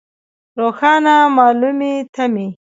روښانه مالومې تمې.